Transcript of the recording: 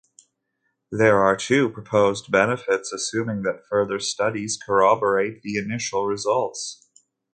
There are two proposed benefits, assuming that further studies corroborate the initial results.